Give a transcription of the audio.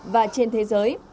và trên thế giới